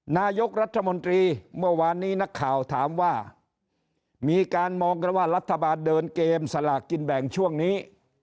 นายกรัฐมนตรีเมื่อวานนี้นักข่าวถามว่ามีการมองกันว่ารัฐบาลเดินเกมสลากกินแบ่งช่วงนี้